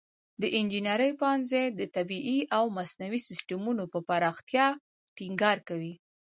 د انجینري پوهنځی د طبیعي او مصنوعي سیستمونو پر پراختیا ټینګار کوي.